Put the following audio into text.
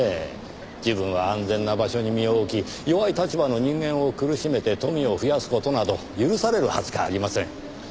自分は安全な場所に身を置き弱い立場の人間を苦しめて富を増やす事など許されるはずがありません。